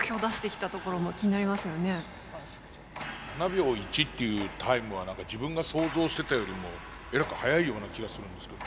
７秒１っていうタイムは自分が想像してたよりもえらく早いような気がするんですけど。